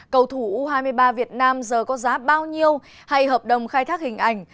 cầu thủ u hai mươi ba việt nam giờ có giá bao nhiêu hay hợp đồng khai thác hình ảnh